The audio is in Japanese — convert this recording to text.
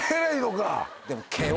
でも。